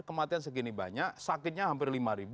kematian segini banyak sakitnya hampir lima ribu